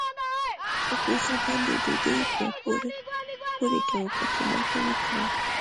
په پښو باندې ډوډۍ مه پورې کوه؛ پکې ماته يې کړه.